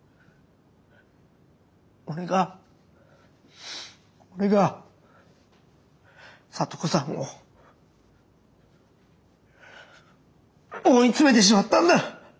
俺が俺が咲都子さんを追い詰めてしまったんだ！